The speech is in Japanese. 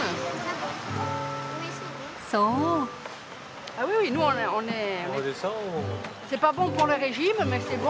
そう。